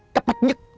cấp bách nhất